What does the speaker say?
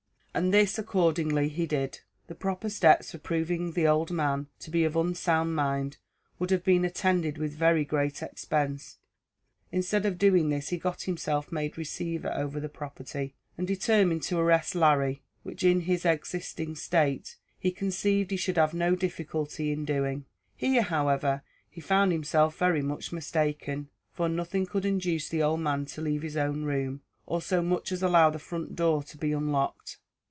And this, accordingly, he did. The proper steps for proving the old man to be of unsound mind would have been attended with very great expense; instead of doing this, he got himself made receiver over the property, and determined to arrest Larry, which, in his existing state, he conceived he should have no difficulty in doing. Here, however, he found himself very much mistaken, for nothing could induce the old man to leave his own room, or so much as allow the front door to be unlocked.